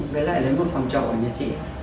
với lại lấy một phòng trọ ở nhà chị